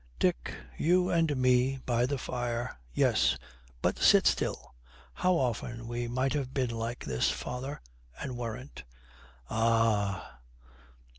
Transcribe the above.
Dick, you and me by the fire!' 'Yes, but sit still. How often we might have been like this, father, and weren't.' 'Ah!'